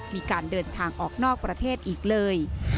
มีการเดินทางออกนอกประเทศอีกเลย